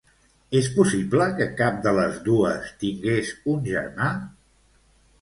És possible que cap de les dues tingués un germà?